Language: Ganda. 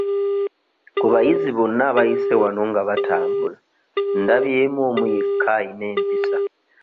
Ku bayizi bonna abayise wano nga batambula ndabyemu omu yekka ayina empisa.